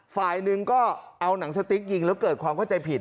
ฝ่ายหนึ่งก็เอาหนังสติ๊กยิงแล้วเกิดความเข้าใจผิด